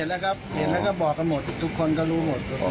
เห็นแล้วครับเห็นแล้วก็บอกกันหมดทุกคนก็รู้หมด